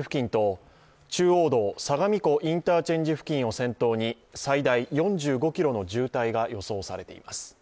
付近と中央道・相模湖インターチェンジ付近を先頭に最大４５ｋｍの渋滞が予想されています。